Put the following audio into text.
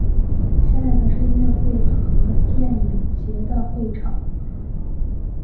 现在则是音乐会和电影节的会场。